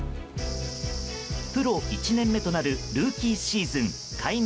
プロ１年目となるルーキーシーズン開幕